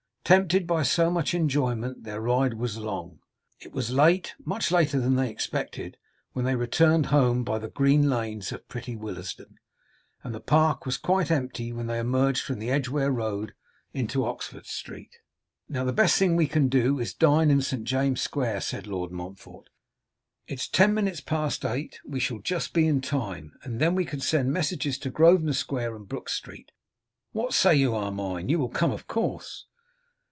Tempted by so much enjoyment, their ride was long. It was late, much later than they expected, when they returned home by the green lanes of pretty Willesden, and the Park was quite empty when they emerged from the Edgware road into Oxford street. 'Now the best thing we can all do is to dine in St. James' square,' said Lord Montfort. 'It is ten minutes past eight. We shall just be in time, and then we can send messages to Grosvenor square and Brook street. What say you, Armine? You will come, of course?